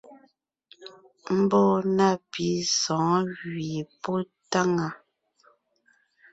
Mbɔɔ na pì sɔ̌ɔn gẅie pɔ́ táŋaa.